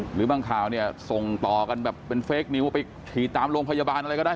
หรือบางข่าวเนี่ยส่งต่อกันแบบเป็นเฟคนิวไปขี่ตามโรงพยาบาลอะไรก็ได้